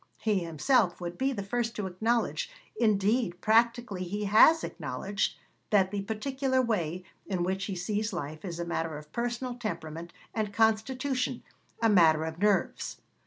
He himself would be the first to acknowledge indeed, practically, he has acknowledged that the particular way in which he sees life is a matter of personal temperament and constitution, a matter of nerves.